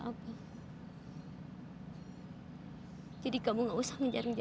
aku sekarang udah miskin